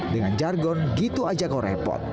dengan jargon gitu aja kok repot